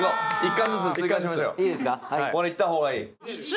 これいった方がいい。